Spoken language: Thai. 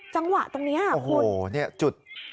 จังหวะตรงนี้อ่ะคุณ